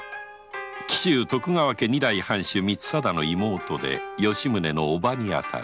紀州徳川家二代藩主・光貞の妹で吉宗の叔母になる。